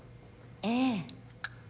ええ。